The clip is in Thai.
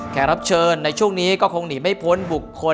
รับเชิญในช่วงนี้ก็คงหนีไม่พ้นบุคคล